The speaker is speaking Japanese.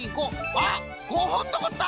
あっ５ほんのこった！